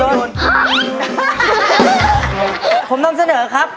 เอ่อโหของจริง